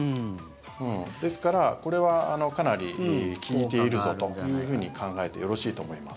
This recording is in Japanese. ですから、これはかなり効いているぞというふうに考えてよろしいと思います。